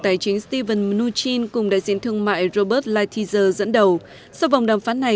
tài chính steven mnuchin cùng đại diện thương mại robert lighthizer dẫn đầu sau vòng đàm phán này